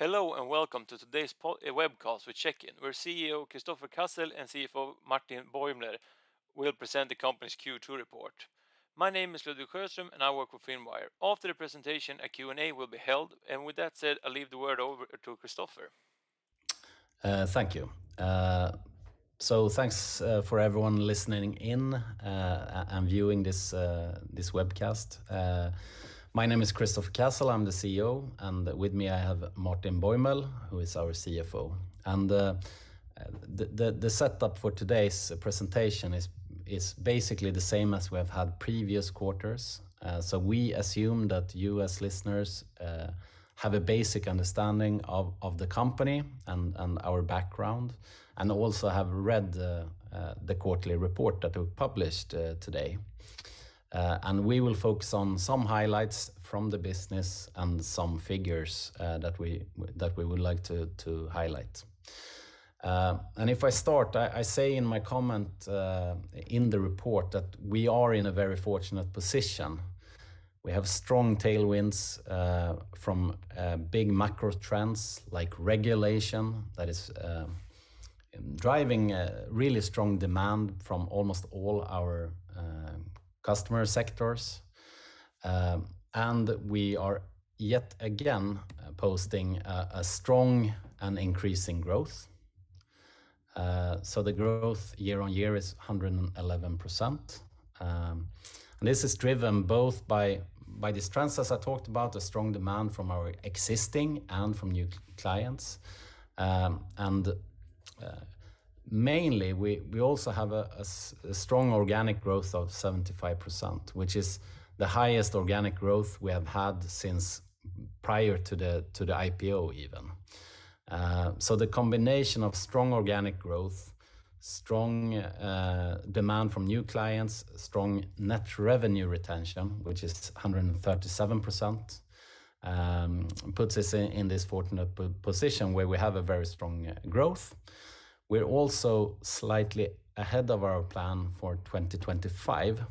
Hello, and welcome to today's webcast with Checkin, where CEO Kristoffer Cassel and CFO Martin Bäuml will present the company's Q2 report. My name is Ludwig Sjöström, and I work with Finwire. After the presentation, a Q&A will be held. With that said, I leave the word over to Kristoffer. Thank you. So thanks for everyone listening in and viewing this webcast. My name is Kristoffer Cassel, I'm the CEO, and with me I have Martin Bäuml, who is our CFO. The setup for today's presentation is basically the same as we have had previous quarters. We assume that you as listeners have a basic understanding of the company and our background, and also have read the quarterly report that we've published today. We will focus on some highlights from the business and some figures that we would like to highlight. If I start, I say in my comment in the report that we are in a very fortunate position. We have strong tailwinds from big macro trends like regulation that is driving a really strong demand from almost all our customer sectors. We are yet again posting a strong and increasing growth. The growth year-over-year is 111%. This is driven both by these trends, as I talked about, a strong demand from our existing and from new clients. Mainly we also have a strong organic growth of 75%, which is the highest organic growth we have had since prior to the IPO even. The combination of strong organic growth, strong demand from new clients, strong Net Revenue Retention, which is 137%, puts us in this fortunate position where we have a very strong growth. We're also slightly ahead of our plan for 2025,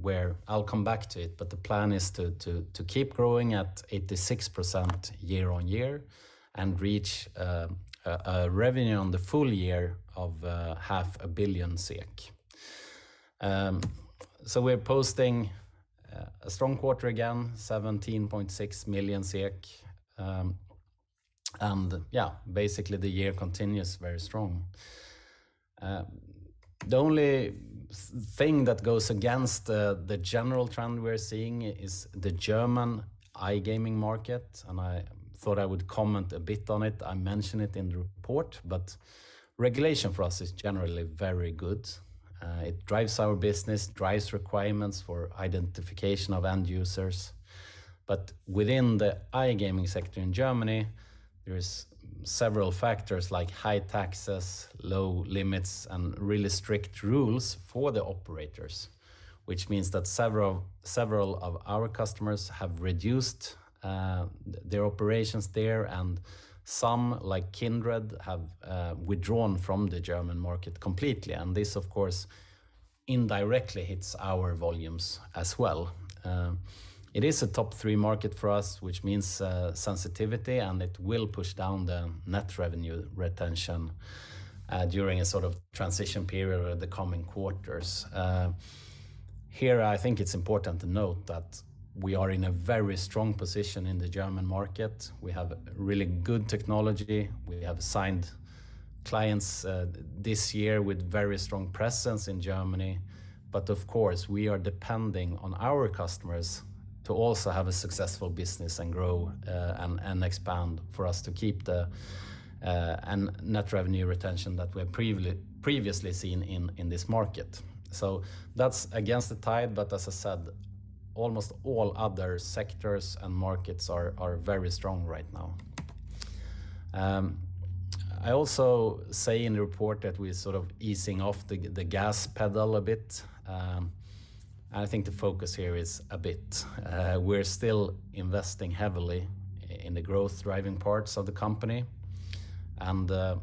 where I'll come back to it, but the plan is to keep growing at 86% year-on-year and reach a revenue on the full year of half a billion SEK. We're posting a strong quarter again, 17.6 million SEK. Yeah, basically the year continues very strong. The only thing that goes against the general trend we're seeing is the German iGaming market, and I thought I would comment a bit on it. I mention it in the report, but regulation for us is generally very good. It drives our business, drives requirements for identification of end users. Within the iGaming sector in Germany, there is several factors like high taxes, low limits, and really strict rules for the operators, which means that several of our customers have reduced their operations there, and some like Kindred have withdrawn from the German market completely. This, of course, indirectly hits our volumes as well. It is a top three market for us, which means sensitivity, and it will push down the Net Revenue Retention during a sort of transition period over the coming quarters. Here, I think it's important to note that we are in a very strong position in the German market. We have really good technology. We have signed clients this year with very strong presence in Germany. Of course, we are depending on our customers to also have a successful business and grow, and expand for us to keep the Net Revenue Retention that we've previously seen in this market. That's against the tide, but as I said, almost all other sectors and markets are very strong right now. I also say in the report that we're sort of easing off the gas pedal a bit. I think the focus here is a bit. We're still investing heavily in the growth-driving parts of the company. In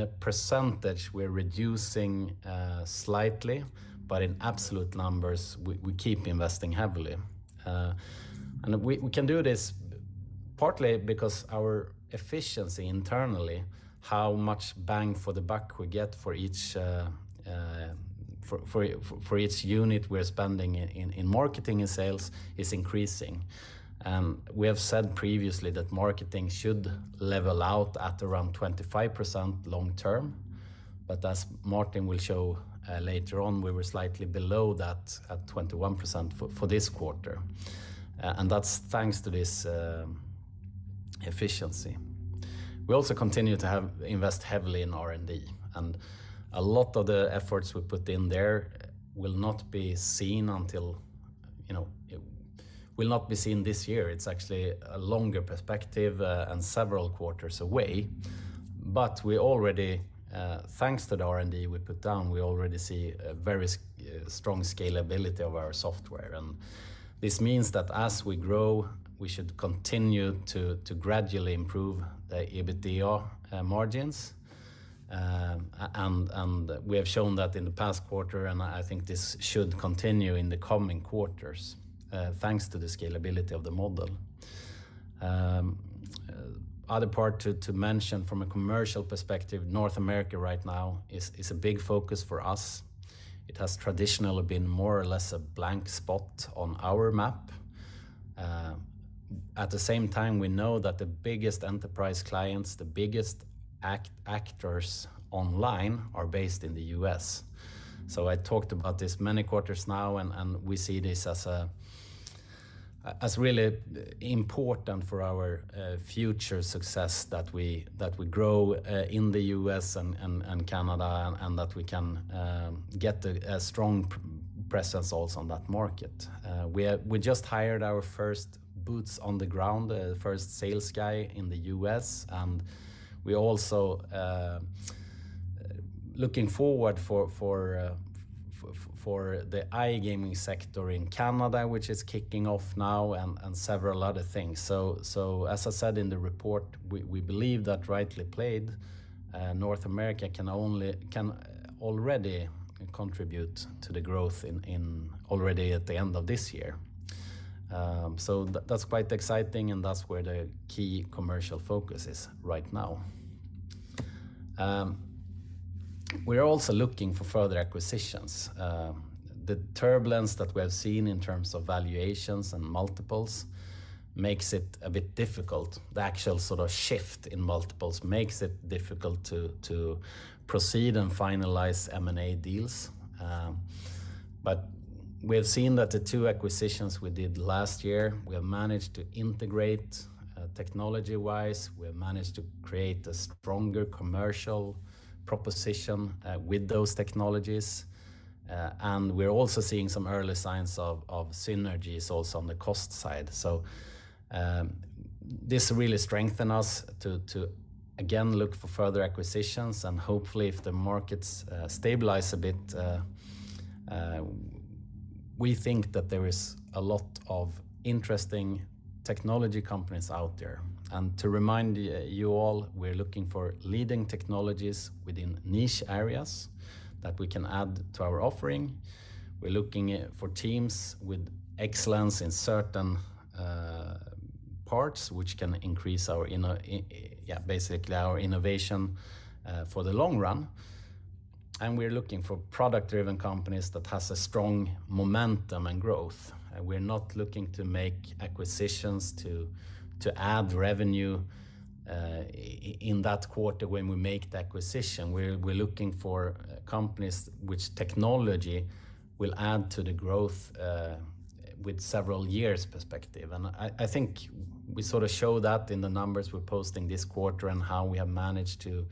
a percentage, we're reducing slightly, but in absolute numbers, we keep investing heavily. We can do this partly because our efficiency internally, how much bang for the buck we get for each unit we're spending in marketing and sales is increasing. We have said previously that marketing should level out at around 25% long term. As Martin will show later on, we were slightly below that at 21% for this quarter. That's thanks to this efficiency. We also continue to invest heavily in R&D, and a lot of the efforts we put in there will not be seen this year. It's actually a longer perspective and several quarters away. We already, thanks to the R&D we put down, we already see a very strong scalability of our software. This means that as we grow, we should continue to gradually improve the EBITDA margins. We have shown that in the past quarter, and I think this should continue in the coming quarters, thanks to the scalability of the model. Another part to mention from a commercial perspective, North America right now is a big focus for us. It has traditionally been more or less a blank spot on our map. At the same time, we know that the biggest enterprise clients, the biggest actors online are based in the U.S. I talked about this many quarters now, and we see this as really important for our future success that we grow in the U.S. and Canada and that we can get a strong presence also on that market. We just hired our first boots on the ground, first sales guy in the U.S. and we also looking forward to the iGaming sector in Canada, which is kicking off now and several other things. As I said in the report, we believe that if rightly played, North America can already contribute to the growth already at the end of this year. That's quite exciting, and that's where the key commercial focus is right now. We are also looking for further acquisitions. The turbulence that we have seen in terms of valuations and multiples makes it a bit difficult. The actual sort of shift in multiples makes it difficult to proceed and finalize M&A deals. We have seen that the two acquisitions we did last year, we have managed to integrate technology-wise. We have managed to create a stronger commercial proposition with those technologies. We are also seeing some early signs of synergies also on the cost side. This really strengthen us to again look for further acquisitions and hopefully if the markets stabilize a bit, we think that there is a lot of interesting technology companies out there. To remind you all, we're looking for leading technologies within niche areas that we can add to our offering. We're looking for teams with excellence in certain parts which can increase our innovation for the long run. We are looking for product-driven companies that has a strong momentum and growth. We are not looking to make acquisitions to add revenue in that quarter when we make the acquisition. We're looking for companies which technology will add to the growth with several years perspective. I think we sort of show that in the numbers we're posting this quarter and how we have managed to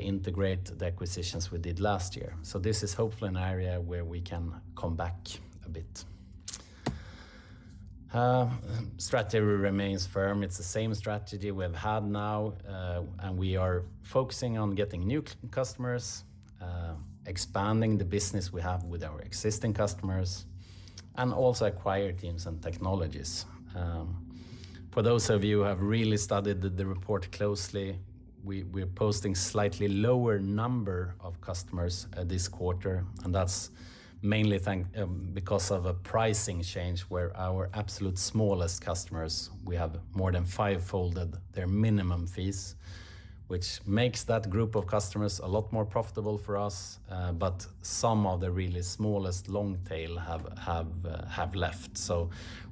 integrate the acquisitions we did last year. This is hopefully an area where we can come back a bit. Strategy remains firm. It's the same strategy we've had now, and we are focusing on getting new customers, expanding the business we have with our existing customers, and also acquire teams and technologies. For those of you who have really studied the report closely, we are posting slightly lower number of customers this quarter, and that's mainly because of a pricing change where our absolute smallest customers, we have more than fivefold their minimum fees, which makes that group of customers a lot more profitable for us. But some of the really smallest long tail have left.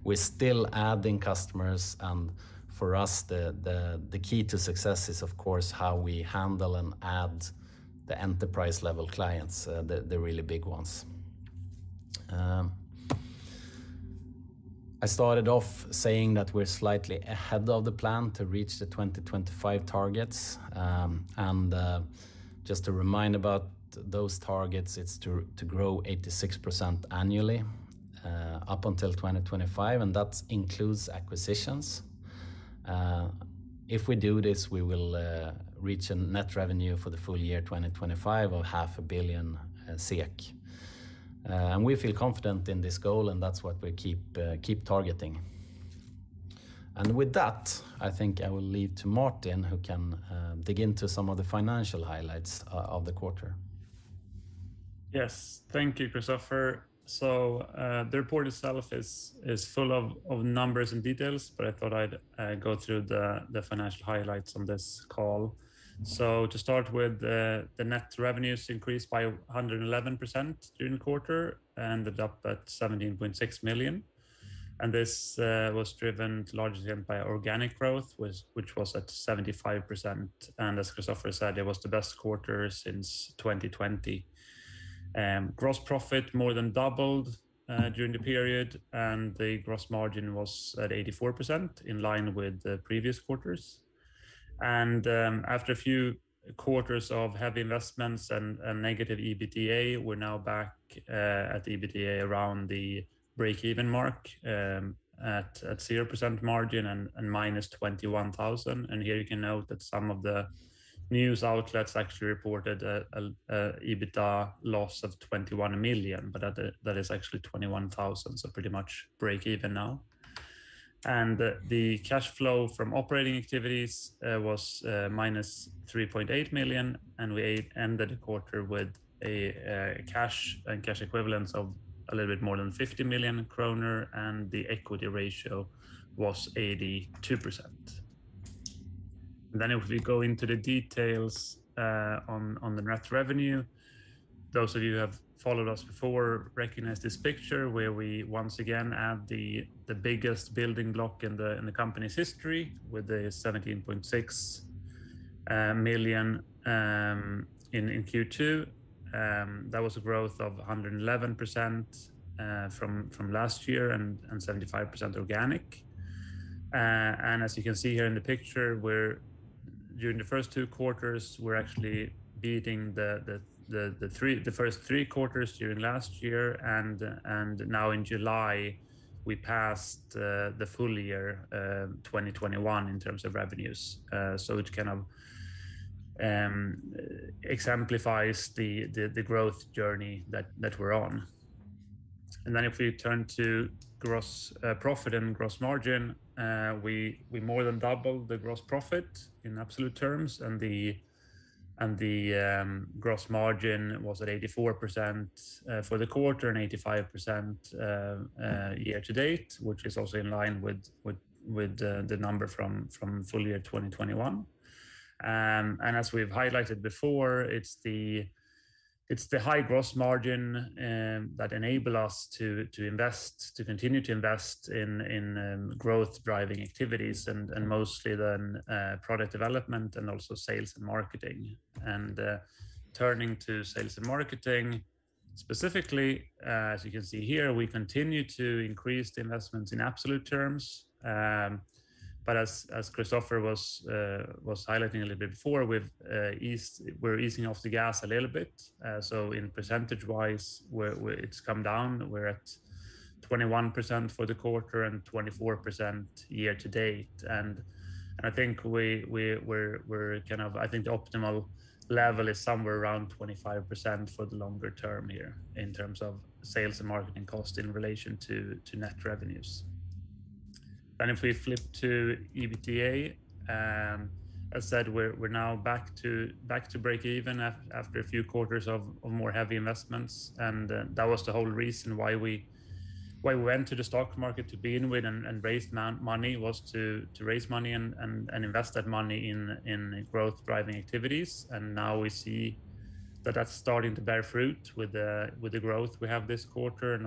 We're still adding customers, and for us, the key to success is of course how we handle and add the enterprise-level clients, the really big ones. I started off saying that we're slightly ahead of the plan to reach the 2025 targets. Just to remind about those targets, it's to grow 86% annually up until 2025, and that includes acquisitions. If we do this, we will reach a net revenue for the full year 2025 of half a billion SEK. We feel confident in this goal, and that's what we keep targeting. With that, I think I will leave to Martin Bäuml, who can dig into some of the financial highlights of the quarter. Yes. Thank you, Kristoffer. The report itself is full of numbers and details, but I thought I'd go through the financial highlights on this call. To start with, the net revenues increased by 111% during the quarter, ended up at 17.6 million. This was driven largely by organic growth, which was at 75%. As Kristoffer said, it was the best quarter since 2020. Gross profit more than doubled during the period, and the gross margin was at 84% in line with the previous quarters. After a few quarters of heavy investments and negative EBITDA, we're now back at EBITDA around the breakeven mark, at 0% margin and -21,000. Here you can note that some of the news outlets actually reported a EBITDA loss of 21 million, but that is actually 21,000, so pretty much breakeven now. The cash flow from operating activities was -3.8 million, and we ended the quarter with a cash and cash equivalents of a little bit more than 50 million krona, and the equity ratio was 82%. If we go into the details on the net revenue, those of you who have followed us before recognize this picture where we once again add the biggest building block in the company's history with the 17.6 million in Q2. That was a growth of 111% from last year and 75% organic. As you can see here in the picture, during the first two quarters, we're actually beating the first three quarters during last year, and now in July we passed the full year 2021 in terms of revenues. It kind of exemplifies the growth journey that we're on. If we turn to gross profit and gross margin, we more than doubled the gross profit in absolute terms, and the gross margin was at 84% for the quarter and 85% year to date, which is also in line with the number from full year 2021. As we've highlighted before, it's the high gross margin that enable us to invest to continue to invest in growth-driving activities and mostly then product development and also sales and marketing. Turning to sales and marketing specifically, as you can see here, we continue to increase the investments in absolute terms. As Kristoffer was highlighting a little bit before, we're easing off the gas a little bit, so in percentage-wise, it's come down. We're at 21% for the quarter and 24% year to date. I think the optimal level is somewhere around 25% for the longer term here in terms of sales and marketing cost in relation to net revenues. If we flip to EBITDA, as said, we're now back to break even after a few quarters of more heavy investments, that was the whole reason why we went to the stock market to begin with and raised money was to raise money and invest that money in growth-driving activities. Now we see that that's starting to bear fruit with the growth we have this quarter and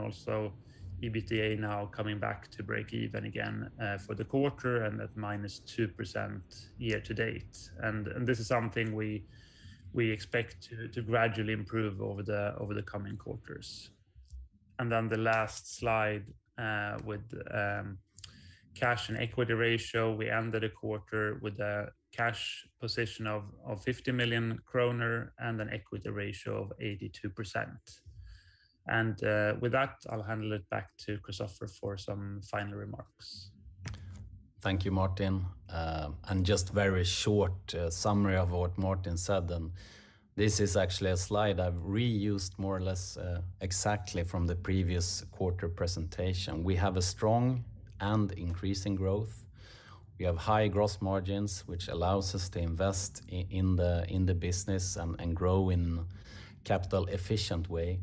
also EBITDA now coming back to break even again for the quarter and at -2% year-to-date. This is something we expect to gradually improve over the coming quarters. Then the last slide with cash and equity ratio, we ended the quarter with a cash position of 50 million kronor and an equity ratio of 82%. With that, I'll hand it back to Kristoffer for some final remarks. Thank you, Martin. Just very short summary of what Martin said, and this is actually a slide I've reused more or less exactly from the previous quarter presentation. We have a strong and increasing growth. We have high gross margins, which allows us to invest in the business and grow in capital efficient way.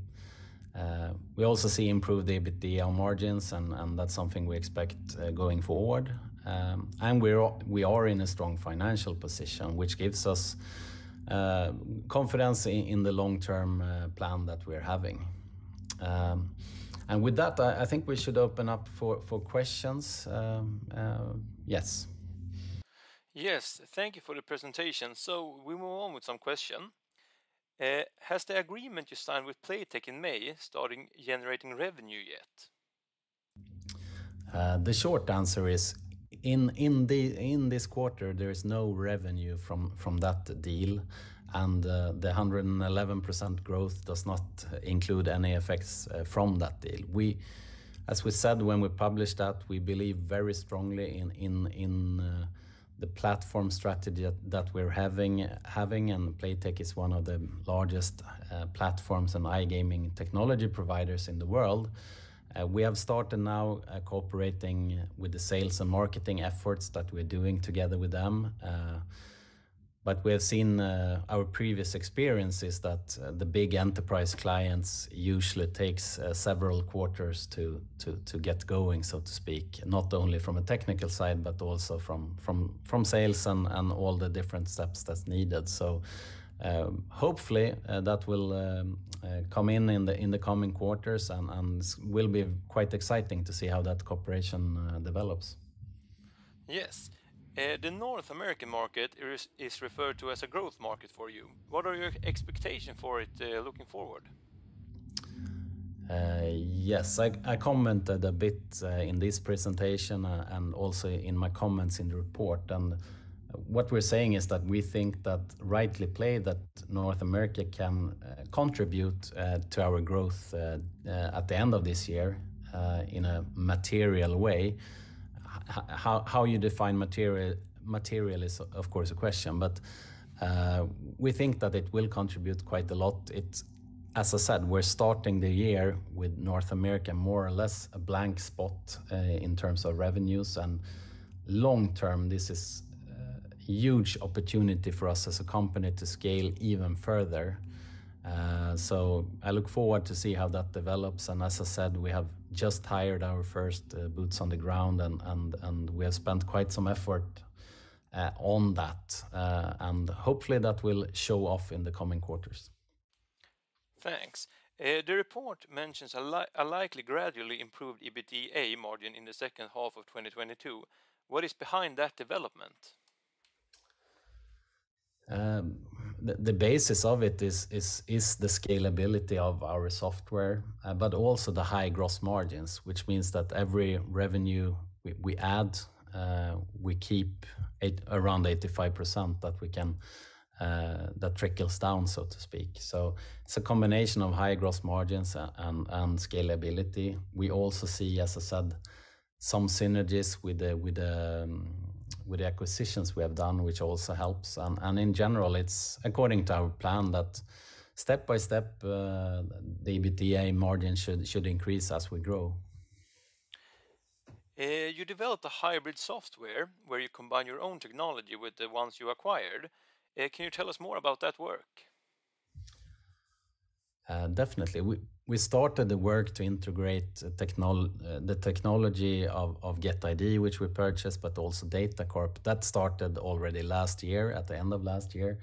We also see improved EBITDA margins, and that's something we expect going forward. We are in a strong financial position, which gives us confidence in the long-term plan that we're having. With that, I think we should open up for questions. Yes. Yes. Thank you for the presentation. We move on with some question. Has the agreement you signed with Playtech in May starting generating revenue yet? The short answer is in this quarter, there is no revenue from that deal, and the 111% growth does not include any effects from that deal. We, as we said when we published that, we believe very strongly in the platform strategy that we're having, and Playtech is one of the largest platforms and iGaming technology providers in the world. We have started now cooperating with the sales and marketing efforts that we're doing together with them. We have seen our previous experiences that the big enterprise clients usually takes several quarters to get going, so to speak, not only from a technical side but also from sales and all the different steps that's needed. Hopefully, that will come in the coming quarters and will be quite exciting to see how that cooperation develops. Yes. The North American market is referred to as a growth market for you. What are your expectation for it, looking forward? Yes. I commented a bit in this presentation and also in my comments in the report. What we're saying is that we think that, rightly played, North America can contribute to our growth at the end of this year in a material way. How you define material is of course a question, but we think that it will contribute quite a lot. It's, as I said, we're starting the year with North America more or less a blank spot in terms of revenues. Long term, this is a huge opportunity for us as a company to scale even further. I look forward to see how that develops, and as I said, we have just hired our first boots on the ground, and we have spent quite some effort on that. Hopefully that will show off in the coming quarters. Thanks. The report mentions a likely gradually improved EBITDA margin in the second half of 2022. What is behind that development? The basis of it is the scalability of our software, but also the high gross margins, which means that every revenue we add, we keep at around 85% that trickles down, so to speak. It's a combination of high gross margins and scalability. We also see, as I said, some synergies with the acquisitions we have done, which also helps. In general, it's according to our plan that step by step, the EBITDA margin should increase as we grow. You developed a hybrid software where you combine your own technology with the ones you acquired. Can you tell us more about that work? Definitely. We started the work to integrate the technology of GetID, which we purchased, but also Datacorp OÜ. That started already last year, at the end of last year,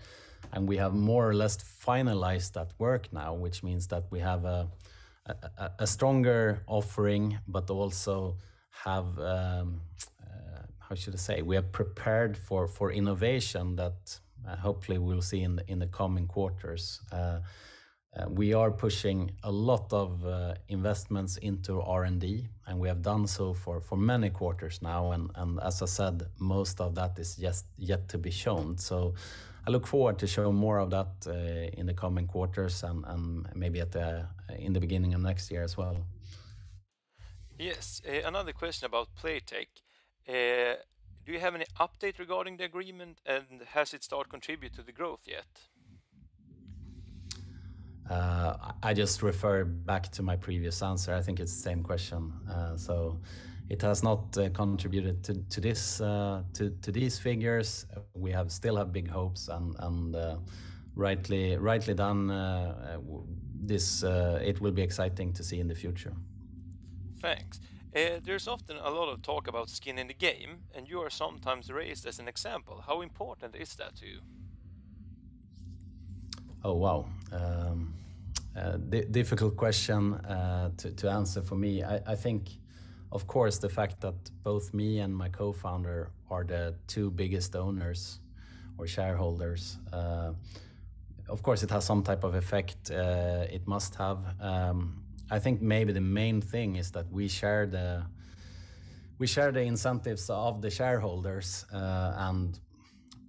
and we have more or less finalized that work now, which means that we have a stronger offering but also have, how should I say? We are prepared for innovation that hopefully we'll see in the coming quarters. We are pushing a lot of investments into R&D, and we have done so for many quarters now, and as I said, most of that is just yet to be shown. I look forward to show more of that in the coming quarters and maybe in the beginning of next year as well. Yes. Another question about Playtech. Do you have any update regarding the agreement, and has it started to contribute to the growth yet? I just refer back to my previous answer. I think it's the same question. It has not contributed to these figures. We still have big hopes and rightly played, it will be exciting to see in the future. Thanks. There's often a lot of talk about skin in the game, and you are sometimes raised as an example. How important is that to you? Oh, wow. Difficult question to answer for me. I think, of course, the fact that both me and my co-founder are the two biggest owners or shareholders, of course, it has some type of effect. It must have. I think maybe the main thing is that we share the incentives of the shareholders.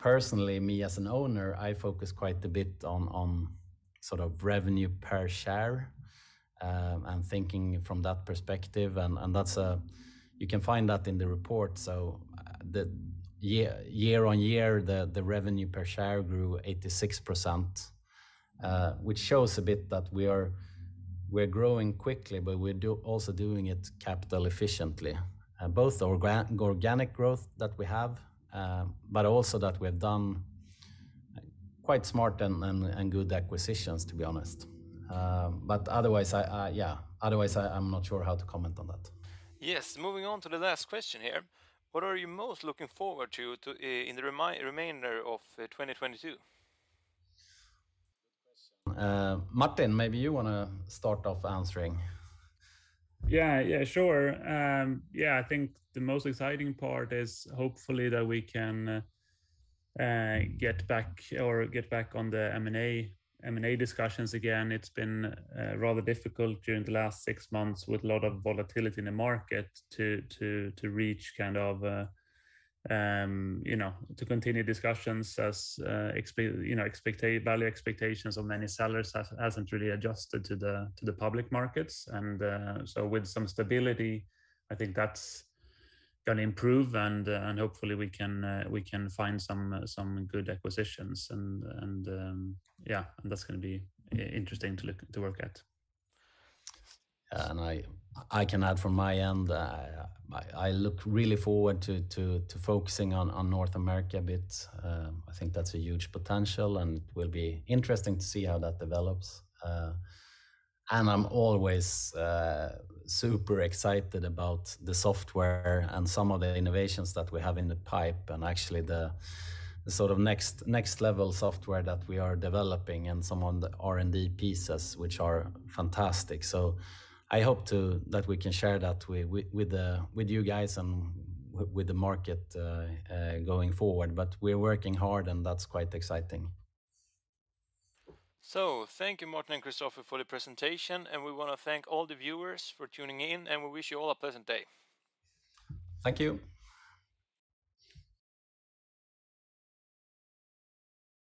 Personally, me as an owner, I focus quite a bit on sort of revenue per share and thinking from that perspective, and you can find that in the report. The year-on-year revenue per share grew 86%, which shows a bit that we're growing quickly, but we're also doing it capital efficiently. Both our organic growth that we have, but also that we've done quite smart and good acquisitions, to be honest. Otherwise, I'm not sure how to comment on that. Yes. Moving on to the last question here. What are you most looking forward to in the remainder of 2022? Good question. Martin, maybe you wanna start off answering. Yeah. Yeah, sure. Yeah, I think the most exciting part is hopefully that we can get back on the M&A discussions again. It's been rather difficult during the last six months with a lot of volatility in the market to reach kind of a, you know, to continue discussions as value expectations of many sellers hasn't really adjusted to the public markets. So with some stability, I think that's gonna improve, and hopefully we can find some good acquisitions. Yeah. That's gonna be interesting to work at. I can add from my end, I look really forward to focusing on North America a bit. I think that's a huge potential, and it will be interesting to see how that develops. I'm always super excited about the software and some of the innovations that we have in the pipe and actually the sort of next level software that we are developing and some of the R&D pieces, which are fantastic. I hope that we can share that with you guys and with the market going forward. We're working hard, and that's quite exciting. Thank you, Martin and Kristoffer, for the presentation, and we wanna thank all the viewers for tuning in, and we wish you all a pleasant day. Thank you.